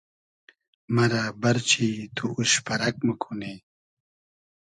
مئرۂ بئرچی تو اوش پئرئگ موکونی